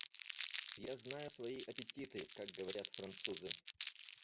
Я знаю свои аппетиты, как говорят французы.